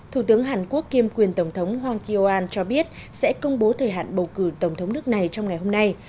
thủ tướng hàn quốc kiêm quyền tổng thống hoàng kiều an cho biết sẽ công bố thời hạn bầu cử tổng thống nước này trong ngày hôm nay